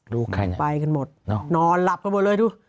ลูกใครน่ะพายกันหมดนอนหลับกับเราเลยดู